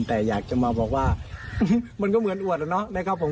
แต่อยากจะมาบอกว่ามันก็เหมือนอวดแล้วเนาะนะครับผม